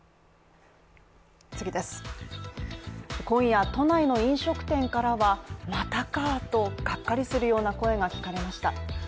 今夜都内の飲食店からはまたかとがっかりするような声が聞かれました。